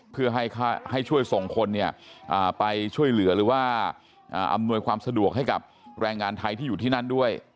เพื่อให้ช่วยส่งคนไปช่วยเหลือหรือว่าอำนวยความสะดวกให้กับแรงงานไทยที่อยู่ที่นั่นด้วย